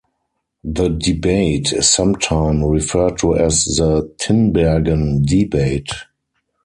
The debate is sometime referred to as the Tinbergen debate.